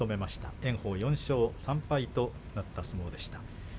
炎鵬連勝、４勝３敗となった相撲です。